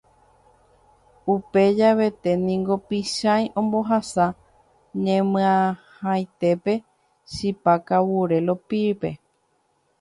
Upe javete niko Pychãi ombohasa ñemihaitépe chipa kavure Lovípe.